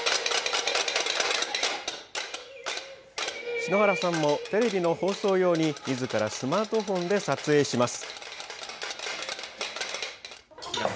篠原さんもテレビの放送用にみずからスマートフォンで撮影します。